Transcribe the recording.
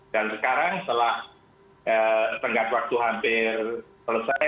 dan sekarang setelah setengah waktu hampir selesai